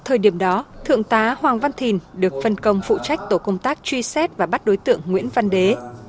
thời điểm đó thượng tá hoàng văn thìn được phân công phụ trách tổ công tác truy xét và bắt đối tượng nguyễn văn đế